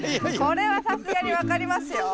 これはさすがに分かりますよ。